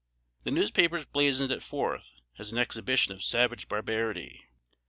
The newspapers blazoned it forth as an exhibition of savage barbarity.